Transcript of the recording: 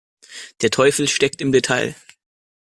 Der Teufel steckt im Detail.